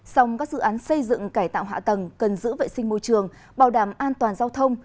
song các dự án xây dựng cải tạo hạ tầng cần giữ vệ sinh môi trường bảo đảm an toàn giao thông